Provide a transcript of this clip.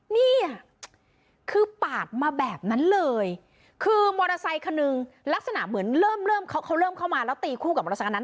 นี่คือปาดมาแบบนั้นเลยคือมอเตอร์ไซคันหนึ่งลักษณะเหมือนเริ่มเริ่มเขาเริ่มเข้ามาแล้วตีคู่กับมอเตอร์ไซคันนั้น